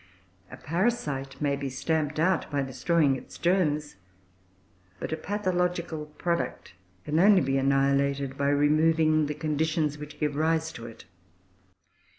A parasite may be stamped out by destroying its germs, but a pathological product can only be annihilated by removing the conditions which give rise to it.